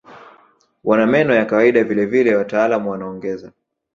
Wana meno ya kawaida vile vile wataalamu wanaongeza